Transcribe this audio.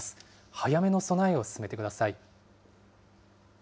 早めの備えを進めてください。